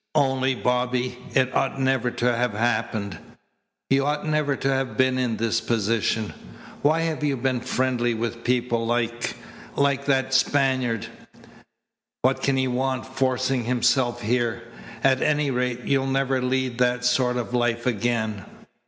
Only, Bobby, it ought never to have happened. You ought never to have been in this position. Why have you been friendly with people like like that Spaniard? What can he want, forcing himself here? At any rate, you'll never lead that sort of life again?"